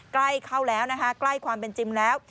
ใกล้เข้าแล้วนะคะใกล้ความเป็นจริงแล้ว